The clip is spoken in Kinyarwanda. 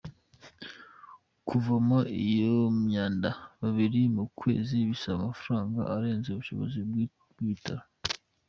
Kuvoma iyo myanda kabiri mu kwezi bisaba amafaranga arenze ubushobozi bw’ibitaro.